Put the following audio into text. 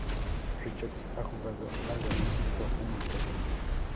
Richards ha jugado al baloncesto en Europa.